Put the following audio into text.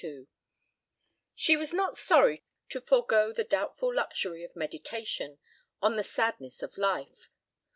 XLII She was not sorry to forego the doubtful luxury of meditation on the sadness of life.